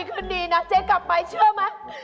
โอ้โฮหายแล้ว